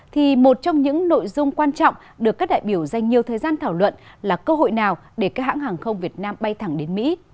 thì một trong những nội dung quan trọng được các đại biểu dành nhiều thời gian thảo luận là cơ hội nào để các hãng hàng không việt nam bay thẳng đến mỹ